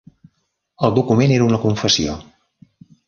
El document era una confessió.